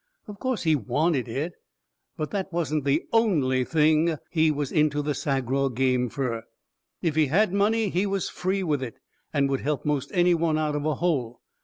Of course, he wanted it; but that wasn't the ONLY thing he was into the Sagraw game fur. If he had money, he was free with it and would help most any one out of a hole.